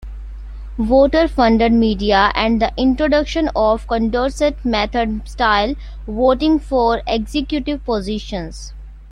Voter Funded Media and the introduction of Condorcet method style voting for executive positions.